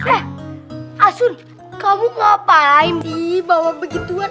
eh asun kamu ngapain sih bawa begituan